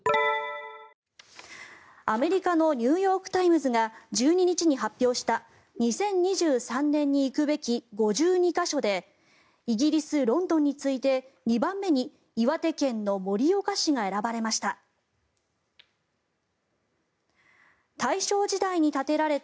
アメリカのニューヨーク・タイムズが１２日に発表した２０２３年に行くべき５２か所でイギリス・ロンドンに次いで２番目に岩手県の盛岡市が選ばれました。